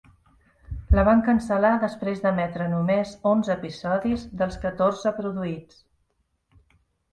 La van cancel·lar després d'emetre només onze episodis dels catorze produïts.